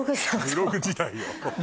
ブログ時代よ。